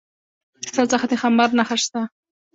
ستا څخه د ښامار نخښه شته؟